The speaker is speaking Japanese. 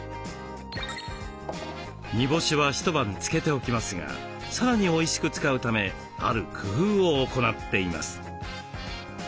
煮干しは一晩つけておきますがさらにおいしく使うためある工夫を行っています。